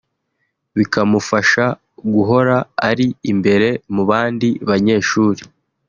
bikamufasha guhora ari imbere mu bandi banyeshuri”